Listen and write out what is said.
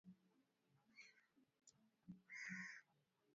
Virutubisho ni muhimu mwilini